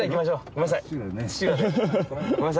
ごめんなさい！